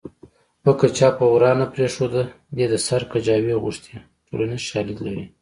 پکه چا په ورا نه پرېښوده دې د سر کجاوې غوښتې ټولنیز شالید لري